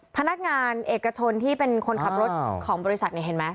พนักงานเอกชนที่เป็นคนขับรถของบริษัทเนี่ยเห็นไหม